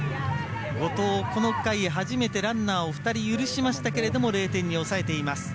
後藤、この回初めてランナーを２人許しましたけれども０点に抑えています。